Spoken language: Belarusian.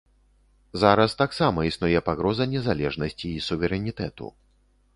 Зараз таксама існуе пагроза незалежнасці і суверэнітэту.